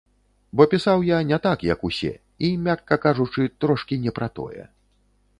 Бо пісаў я не так, як усе і, мякка кажучы, трошкі не пра тое.